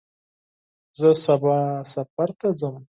زه سبا سفر ته ځم.